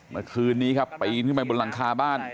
เมื่อคืนนี้ครับปีนขึ้นไปบนหลังคาบ้าน